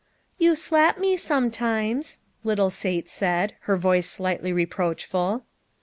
" You slap me sometimes," little Sate said, her voice slightly reproachful.